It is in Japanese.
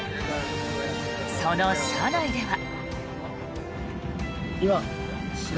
その車内では。